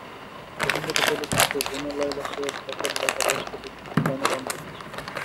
প্রসঙ্গত, চলচ্চিত্রে রুনা লায়লা সৈয়দ হকের লেখা বেশ কটি গানে কণ্ঠ দিয়েছেন।